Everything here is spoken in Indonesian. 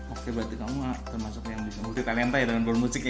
oke berarti kamu termasuk yang bisa multi talenta ya dalam berbual musiknya